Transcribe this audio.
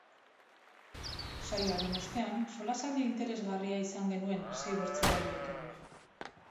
Saioaren ostean solasaldi interesgarria izan genuen sei bertsolariekin.